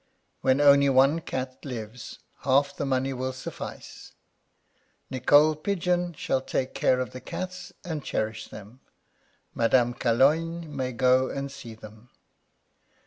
When only one cat lives, half the money will suffice. Nicole Pigeon shall take care of the cats, and cherish them. Madame Calogne may go and see them.